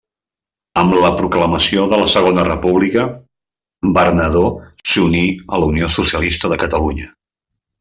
Amb la proclamació de la Segona República Bernadó s’uní a Unió Socialista de Catalunya.